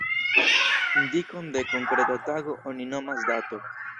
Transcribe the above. Indikon de konkreta tago oni nomas dato.